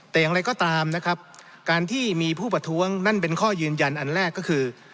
แต่อย่างไรก็ตามนะครับการที่มีผู้ประท้วงนั่นเป็นข้อยืนยันอันแรกก็คือ